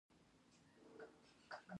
نیم کښ مخونه، سپین، سپین لاسونه